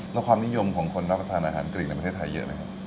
แล้วความนิยมของคนรับประทานอาหารกรีดในประเทศไทยเยอะไหมครับ